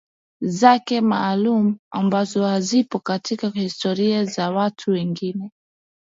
zake maalum ambazo hazipo katika historia za watu wengine